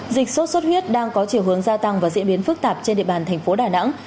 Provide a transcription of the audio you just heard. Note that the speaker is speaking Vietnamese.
dịch sốt xuất huyết đang có chiều hướng gia tăng và diễn biến phức tạp trên địa bàn thành phố đà nẵng